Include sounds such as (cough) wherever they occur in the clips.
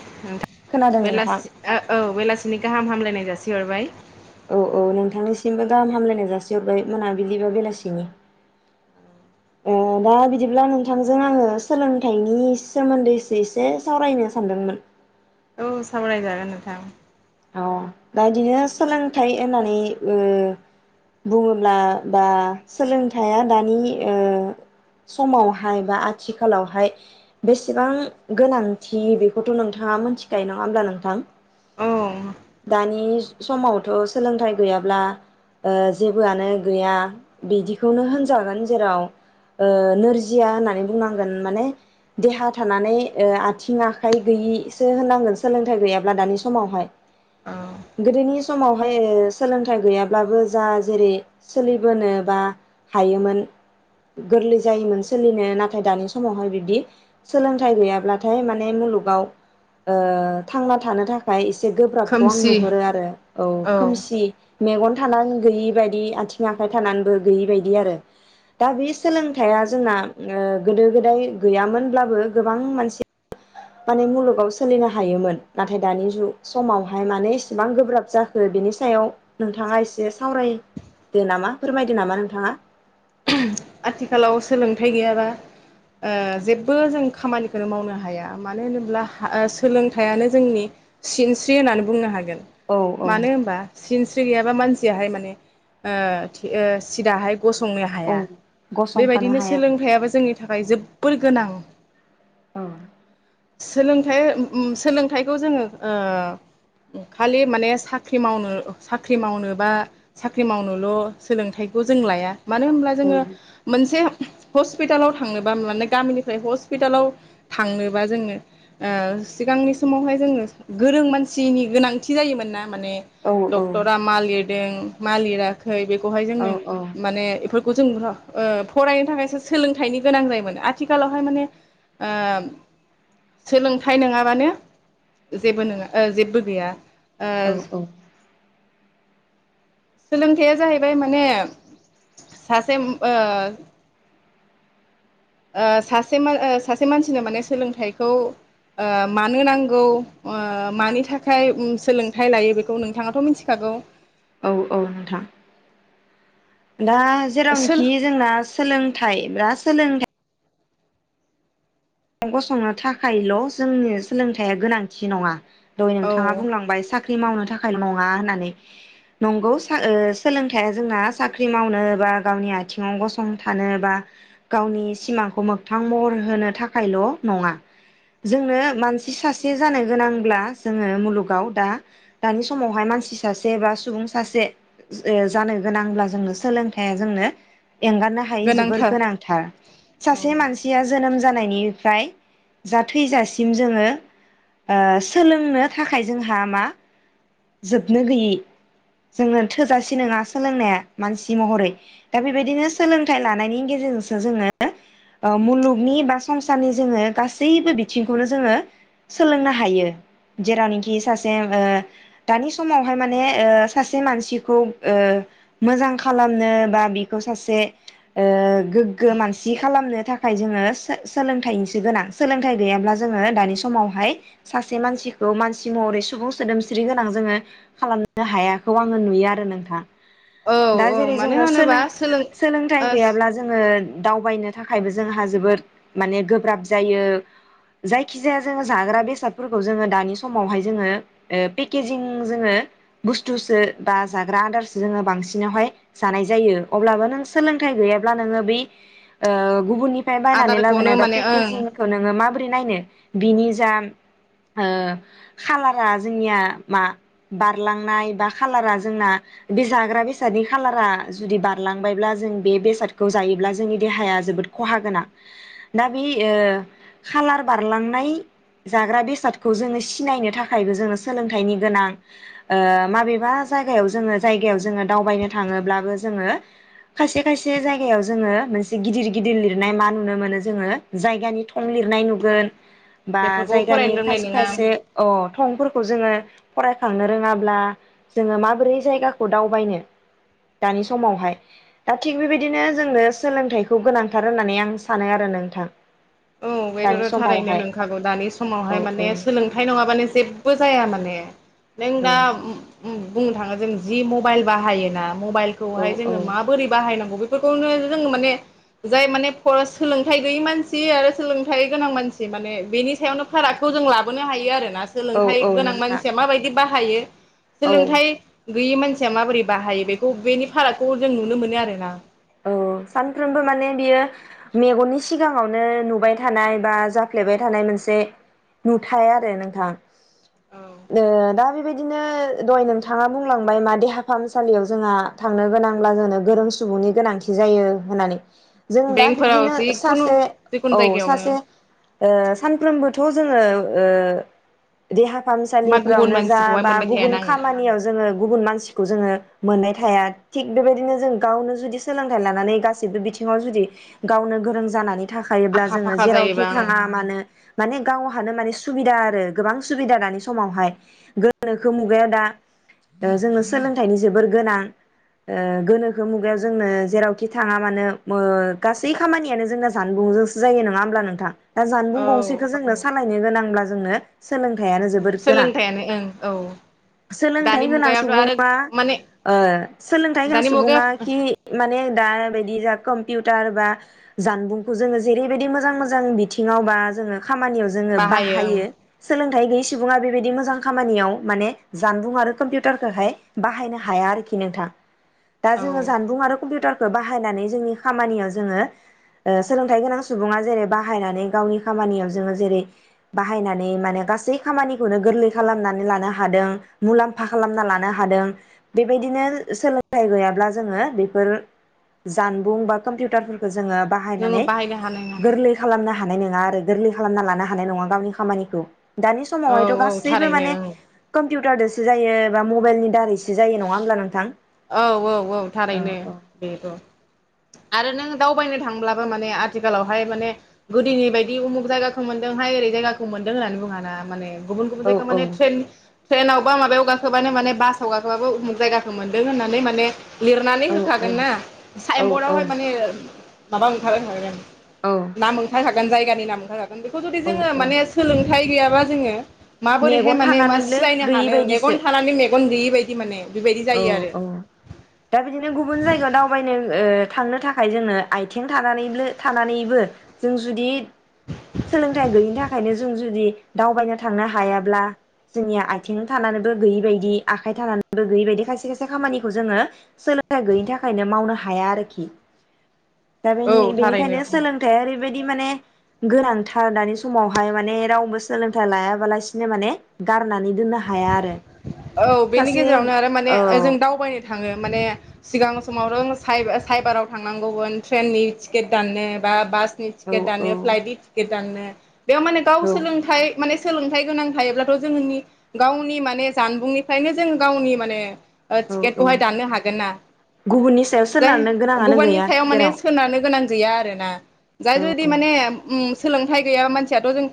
नोंथां खोनादों नोंथां बेलासि (unintelligible) औ बेलासि नि गाहाम हामलायनाय जासिहरबाय। औ औ नोंथांनिसिमबो गाहाम हामलायनाय जासिहरबाय मोनाबिलि बा बेलासिनि। ओ दा बिदिब्ला नोंथांजों आङो सोलोंथाइनि सोमोन्दैसो एसे सावरायनो सानदोंमोन। औ सावरायजागोन नोंथां अ दा इदिनो सोलोंथाइ होननानै ओ बुङोब्ला बा सोलोंथाइया दानि ओ समावहाय बा आथिखालावहाय बेसेबां गोनांथि बेखौथ' नोंथाङा मोनथिखायो नङा होमब्ला नोंथां औ दानि समावथ' सोलोंथाइ गैयाब्ला ओ जेबोआनो गैया बिदिखौनो होनजागोन जेराव ओ नोरजिया होननानै बुंनांगोन माने देहा थानानै आथिं आखाइ गैयिसो होननांगोन सोलोंथाइ गैयाब्ला दानि समावहाय औ गोदोनि समावहाय सोलोंथाइ गैयाब्लाबो जा जेरै सोलिबोनो बा हायोमोन गोरलै जायोमोन सोलिनो नाथाय दानि समावहाय बिदि सोलोंथाइ गैयाब्लाथाय माने मुलुगाव ओ थांना थानो थाखाय ए से गोब्राबखौ आं खोमसि नुहरो आरो औ खोमसि मेगन थानानै गैयि बायदि आथिं आखाइ थानानैबो गैयि बायदि आरो दा बे सोलोंथाइया जोंना ओ गोदो गोदाय गैयामोनब्लाबो गोबां मानसिया माने मुलुगाव सोलिनो हायोमोन नाथाय दानि जु समावहाय माने एसेबां गोब्राब जाखो बेनि सायाव नोंथाङा एसे सावरायदो नामा फोरमायदो नामा नोंथाङा आथिखालाव सोलोंथाइ गैयाबा ओ जेबो जों खामानिखौनो मावनो हाया मानो होनोब्ला सोलोंथाइयानो जोंनि सिनस्रि होननानै बुंनो हागोन। औ औ मानो होनबा सिनस्रि गैयाबा मानसियाहाय माने ओ सिदाहाय गसंनो औ हाया गसंथानो बेबायदिनो हाया सोलोंथाइयाबो जोंनि थाखाय जोबोर गोनां औ सोलोंथाइ उम उम सोलोंथाइखौ जोङो ओ खालि माने साख्रि मावनो साख्रि मावनो बा साख्रि मावनोल' सोलोंथाइखौ जों लाया मानो होनब्ला औ जोङो मोनसे हस्पिटालाव थांनोबा माने गामिनिफ्राय हस्पिटालाव थांनोबा जोङो सिगांनि समावहाय जोङो गोरों मानसिनि गोनांथि जायोमोन ना? माने औ डक्टरा मालि दों मालिराखै फ्राय बेखौहाय औ जोंनो माने इफोर बेखौ जों नुहा ओ फरायनो थाखायसो सोलोंथाइनि गोनां जायोमोन आथिखालावहाय माने ओब सोलोंथाइ नोङाबानो जेबो नोङा ओ जेबो गैया। ओ औ औ। सोलोंथाइया जाहैबाय माने सासे उम ओ ओ सासे मान ओ सासे मानसिनो माने सोलोंथाइखौ ओ मानो नांगौ ओ मानि थाखाय उम सोलोंथाइ लायो बेखौ नोंथाङाथ' मिन्थिखागौ। औ औ नोंथां। दा सोल जेरावनोखि जोंना सोलोंथाइ बा सोलोंथाय ओ गसंनो थाखायल' जोंनि सोलोंथाइया गोनांथि नङा। दहय औ नोंथाङा बुंलांबाय साख्रि मावनो थाखायल' नङा होननानै। नंगौ साख ओ सोलोंथाइया जोंना साख्रि मावनो बा गावनि आथिङाव गसंथानो बा गावनि सिमांखौ मोगथां महर होनो थाख थाखायल' नङा जोंनो मानसि सासे जानो गोनांब्ला जोङो मुलुगाव दा दानि समावहाय मानसि सासे बा सुबुं सासे जानो गोनांब्ला जोंनो सोलोंथाइया जोंनो एंगारनो हायै जोबोर गोनांथार औ सासे मानसिया जोनोम जानायनि फ्राय जा थैजासिम जोङो ओ सोलोंनो थाखाय जोंहा मा जोबनो गैयै जोंनो थोजासे नोङा सोलोंनाया मानसि महरै दा बेबायदिनो सोलोंथाइ लानायनि गेजेरजोंसो जोङो ओ मुलुगनि बा संसारनि जोङो गासैबो बिथिंखौनो जोङो सोलोंनो हायो जेरावनोखि सासे ओ दानि समावहाय माने ओ सासे मानसिखौ ओ मोजां खालामनो बा बिखौ सासे ओ गोग्गो मानसि खालामनो थाखाय जोङो सो-सोलोंथाइनिसो गोनां सोलोंथाइ गैयाब्ला जोङो दानि समावहाय सासे मानसिखौ मानसि महरै सुबुं सोदोमस्रि गोनां ज जोङो खालामनो हायाखौ आङो नुयो आरो नोंथां। औ दा औ जेरै मानो जोङो होनोबा सोलों सोलोंथाइ ओ गैयाब्ला जोङो। दावबायनो थाखायबो जोंहा जोबोद माने गोब्राब जायो जायखि जाया जोङो जाग्रा बेसादफोरखौ जोङो दानि समावहाय जोङो ओ पिक केजिं जोङो बुस्थुसो बा जाग्रा आदारसो जोङो बांसिनावहाय जानाय जायो अब्लाबो नों सोलोंथाइ गैयाब्ला नोङो बै ओ गुबुननि फ्राय बायनानै आदारखौनो लाबोनाय माने ओं बापेकेजिंखोौ नोङो माबोरै नायनो बिनि जा ओ खालारा जोंनिया मा बारलांनाय बा खालारा जोंना बे जाग्रा बेसादनि खालारा जुदि बारलांबायब्ला जों बे बेसादखौ जायोब्ला जोंनि देहाया जोबोद खहा गोनां दा बे ओ खालार बारलांनाय जाग्रा बेसादखौ जोङो सिनायनो थाखायबो जोङो सोलोंथाइनि गोनां ओ माबेबा जायगायाव जोङो जायगायाव जोङो दावबायनो थाङोब्लाबो जोङो खायसे खायसे जायगायाव जोङो मोनसे गिदिर गिदिर लिरनाय मा नुनो मोनो जोङो जायगानि थं लिरनाय नुगोन। बा बेफोरखौ जायगानि फरायनो रोंनाय खायसे नङा खायसे अ थंफोर खौ जोङो फरायखांनो रोङाब्ला जोङो माबोरै जायगाखौ दावबायनो दानि समावहाय दा थिग बेबायदिनो जोंनो सोलोंथाइखौ गोनांथार होननानै आं सानो आरो नोंथां। औ दानि बेथ'थ' थारैनो समावहाय नोंखागौ दानि औ समावहाय माने सोलोंथाइ नङाबानो जेबो जाया माने। नों औ दा उम उम बुंनो थाङो जों जि मबाइल बाहायोना? मबाइलखौहाय औ औ जोङो माबोरै बाहायनांगौ बे फोरखौनो जोङो माने जाय माने फ सोलोंथाइ गैयै मानसि सि आरो सोलोंथाइ गोनां मानसि माने बेनि सायावनो फारागखौ जों लाबोनो हायो आरो ना औ सोलोंथाइ औ गोनां नोंथां मानसिया माबायदि बाहा हायो। औ सोलोंथाइ गैयि मानसिया माबोरै बाहायो बेखौ बेनि फारागखौ जों नुनो मोनो आरोना। औ सानफ्रोमबो माने बियो मेगननि सिगाङावनो नुबाय थानाय बा जाफ्लेबाय थानाय मोनसे नुथाय आरो नोंथां। औ ओ दाबे बेबायदिनो दहाय नोंथाङा बुंलांबाय मा देहा फाहामसालियाव जोंहा थांनो गोनांब्ला जोंनो गोरों सुबुंनि गोनांथि जायो होननानै। जों दा बेंकफोराव बिब्दिनो जिखुनु सासे, जिखुनु औ जायगायावनो सासे ओ सानफ्रोमबोथ' जोङो ओ देहा मा गुबुन फाहामसालिफोरावनो जा मानसिखौहाय बा मोनबाय गुबुन थायाना आङो खामानियाव जोङो गुबुन मानसिखौ जोङो मोननाय थाया थिग बेबायदिनो जों गावनो जुदि सोलोंथाइ लानानै गासिबो बिथिङाव जुदि गावनो गोरों जानानै थाखायोब्ला आखा जोङो फाखा जेरावखि जायोबा आं थाङा मानो माने गाव माने सुबिदा आरो गोबां सुबिदा दानि समावहाय, गोनोखो मुगायाव दा ओ जोङो सोलोंथाइनि जोबोर गोनां। ओ गोनोखो मुगा जोंनो जेरावखि थाङा मानो मो- गासै खामानियानो जोंना जानबुंजोंसो जायो, नङा होमब्ला नोंथां? दा जानबुं औ गंसेखौ जोंनो सालाय गोनांब्ला जोंनो सोलोंथाइयानो जोबोद गोनां। सोलोंथायानो ओं औ (inaudible) दानि सोलोंथाइ गोनां मुगायावथ' आरो सुबुङा माने ओ सोलोंथाइ गोनां दानि मुगाया सुबुङा खि माने दा बायदि जा कम्पिउटार बा जानबुंखौ जोङो जेरैबायदि मोजां मोजां बिथिङाव बा जोङो खामानियाव जोङो बाहायो सोलों नाथाय गैयै सुबुङा बेबायदि मोजां खामानियाव माने जानबुं आरो कम्पिउटारखौहाय बाहायनो हाया आरोखि नोंथां। दा जोङो औ जान कम्पिउटारखो बाहायनानै जोंनि खामानियाव जोङो, ओ सोलोंथाइ गोनां सुबुङा जेरै बाहायनानै जोंनि खामानियाव जोङो ओ सोलोंथाइ गोनां सुबुंआ जेरै बाहायनानै गावनि खामानियाव जोङो जेरै बाहायनानै माने गासै खामानिखौनो गोरलै खालामनानै लानो हादों, मुलाम्फा खालामना लानो हादों, बेबायदिनो सोलोंथाइ गैयाब्ला जोङो बेफोर जानबुं बा कम्पिउटारफोरखो जोङो जोङो बाहायनानै बाहायनो हानाय नङा गोरलै खालामनो हानाय नङा आरो गोरलै खालामना लानो हानाय नङा गावनि खामानिखौ। दानि औ समावहायथ' औ गासैबो थारैनो माने कम कम्पिउटारदोसो जायो बा मबाइलनि दारैसो जायो नङा होमब्ला नोंथां? औ औ औ। थारैनो, बेथ'। आरो नों दावबायनो थांब्लाबो माने आथिखालावहाय माने गोदोनि बायदि उमुख जायगाखौ मोनदों हाय ओरै जायगाखौ मोनदों होननानै बुङा ना माने। गुबुन गुबुन औ जायगा औ मानेे त्तेन त्तेनावबा माबायाव गा खोबानो माने बासाव गाखोबानो उमुग जायगाखो मोन - बे होननानै माने लिरनानै औ होखागोन ना साइनबर्डआवहाय औ माने माबा ओंखा होखागोन। औ नाम ओंखार खागोन जायगा आंनि नाम (unintelligible) बेखौ जुदि औ जोङो औ माने सोलोंथाइ गैया (unintelligible) जोङो। माबोरैहाय मेगन माने मा थानानैनो सिनायनो गैयि हानो, मेगन बायदिसो थानानै मेगन गैयि बायदि माने। बेबायदि औ जायो आरो। औ। दा बिदिनो गुबुन जायगायाव दावबायनो ओ थांनो थाखाय जोंनो आथिं थानानैब्लो थानानैबो जों जुदि सोलोंथाइ गैयैनि था थाखायनो जों जुदि दावबायनो थांनो हायाब्ला, जोंनिया आथिं थानानैबो गैयि बायदि आखाइ थानानैबो गैयै बायदि खायसे खायसे खामानिखौ जोङो सोलोंथाइ गैयैनि थाखायनो मावनो हाया आरोखि। दा औ बेनि-बेनिखायनो थारैनो सोलोंथाइआ ओरैबायदि माने गोनांथार दानि समावहाय माने रावबो सोलोंथाइ लायाबालासिनो माने गारनानै दोननो हाया आरो औ बेनि सासे गेजेरावनो आरो माने औ जों दावबायनो थाङो माने सिगां समाव रों साइ- साइबाराव थांनांगौमोन ट्रेननि टिकेट दाननो बा बास नि औ टिकेट दानो, फ्लाइटनि टिकेट दाननो। बेयाव माने गाव औ सोलोंथाइ माने सोलोंथाइ गोनां थायोब्लाथ' जोङोनि गावनि माने जानबुंनिफायनो जों गावनि माने ओ औ औ टिकेटखौहाय दाननो हागोन ना, गुबुननि सायाव जाय सोनारनो गोनाङानो गुबुननि गैया सायाव माने जेराव सोनारनो गोनां गैया आरोना जाय औ जुदि माने उम सोलोंथाइ गैया मानसियाथ' जों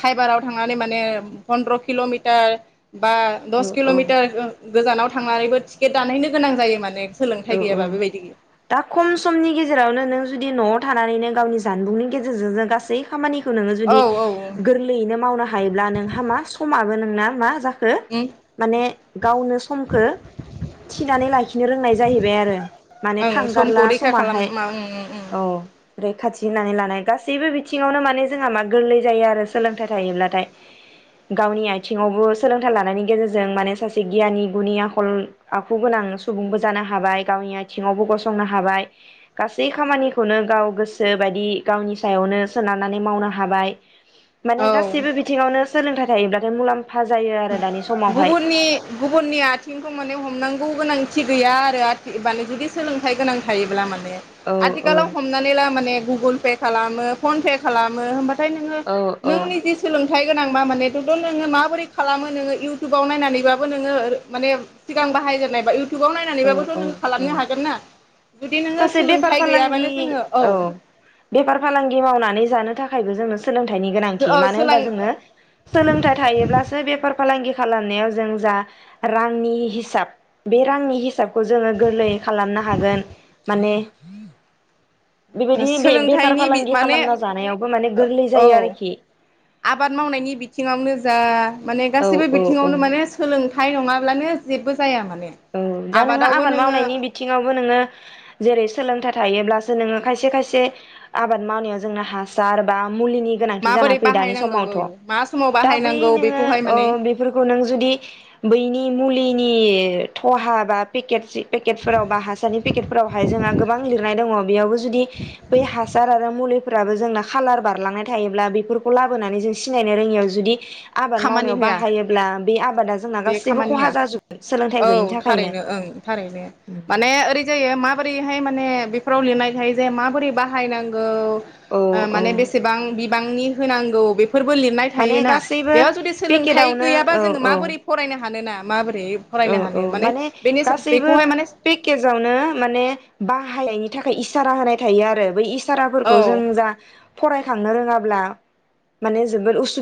साइबाराव थांनानै माने पन्द्र' किल'मिटार बा दस औ औ किल'मिटार गोजानाव थांनानैबो टि केट दानहैनो गोनां जायो माने। सोलोंथाइ औ औ गैयाबा बेबायदि दा खम समनि गेजेरावनो नों जुदि न'आव थानानैनो गावनि जानबुंनि गेजेरजो जों गासै खामानि खौ औ जुदि औ गोरलैयैनो मावनो हायोब्ला नोंहा मा समाबो नोंना मा जा खो ओं माने गावनो समखो थिनानै लाखिनो रोंनाय जाहैबाय आरो माने ओं समखौ थांगारला रैखा खालाम समहाय, मा ओं औ। रैखाथि होनानै लानाय गासैबो बिथिङावनो माने जोंहा मा गोरलै जायो आरो सोलोंथाइ थायोब्लाथाय गावनि आथिङावबो सोलोंथाइ लानायनि गेजेरजों माने सासे गियानि गुनि आखल आखु गोनां सुबुंबो जानो हाबाय गावनि आथिङावबो गसंनो हाबाय गासै खामानिखौनो गाव गोसो बायदि गावनि सायावनो सोनारनानै मावनो हाबाय। माने ओं औ गासैबो बिथिङावनो सोलोंथाइ जायोब्लाथाय मुलाम गुबुननि गुबुननि आथिंखौ माने हमनां गौ गोनांथि गैया आरो आथि माने जुदि सोलोंथाइ गोनां थायोब्ला माने औ औ आथिकालाव हमनानै ला माने गुब गुगोल पे खालामो फन पे खालामो होमबाथ (unintelligible) औ नोङो नोंनि जे सोलों थाइ गोनां बा माने (unintelligible) नोङो माबोरै खालामो नोङो इउटुबाव नायनानैबाबो नोङो माने सिगां बाहायजेननाय बा इउट टुबाव औ नायनानैबाबोथ' औ नों औ खालामनो हागोन ना जुदि नोङो सासे बेफार सोलोंथाइ गैयाबानो फालांगि जोङो औ बेफार फालांगि मावनानै जानो थाख खायबो जोंनो सोलोंथाइनि गोनांथि औ मानो होमबा सोलों जोङो सोलोंथाय थायोब्लासो बेफार फालांगि खालामनायाव जों जा रांनि हिसाब बे रांनि हिसाब खौ जोङो गोरलैयै खालामनो हागोन माने बेबायदि बे बेफार सोलोंथाइनि बि फालांगि माने खालामना जानायावबो माने गोरलै ओ जायो औ आरोखि आबाद मावनायनि बिथिङावनो जा माने औ गासैबो औ बिथिङावनो औ माने सोलों थाय नङाब्लानो जेबो जाया मान औ दा नोङो आबाद मावनायनि बिथिङावबो नोङो जेरै सोलोंथाइ थायोब्लास सो नोङो खायसे खायसे आबाद मावनायाव जोंना हासार बा मुलिनि गोनांथि माबोरै जानानै फैयो दानि बाहायनांगौ समावथ' औ मा समाव दा बै बाहायनांगौ नोङो बेखौहाय अ माने बेफोरखौ नों जुदि बैनि मुलिनि थहा बा पेकेटस पेकेटफोराव बा हासारनि पेकेटफोरावहाय जोंहा गोबां लिरनाय दङ बेयावबो जो जुदि बे हासार आरो मुलिफोराबो जोंना खालार बारलांनाय थायोब्ला बेफोरखौ लाबोनानै जों सिनायनो रोङैयाव जुदि आबाद खामानि मावनायाव होआ बाहायोब्ला बे आबादा जोंना बे गासैबो खामानि खहा होआ जाजोबोन सोलोंथाइ औ गैयिनि थाखायनो थारैनो ओं थारैनो औ माने ओरै जायो माबोरैहाय माने ने बेफोराव लिरनायथायो जे माबोरै बाहायनांगौ ओ औ माने बेसेबां बिब बिबांनि होनांगौ बे फोरबो लिरनाय माने थायोना गासैबो बेयाव जुदि सोलोंथाइ पेकेटावनो गैयाबा औ जोङो औ माबोरै फरायनो हानो ना? माबोरै? औ फरायनो औ हानो माने बेनि गासैबो बेखौहाय माने पेकेजावनो माने बाहायनायनि। थाखाय इसारा होनाय थायो आरो बै इस साराफोरखौ औ जों जा। फरायखांनो रोङाब्ला माने जोबोद उसुब।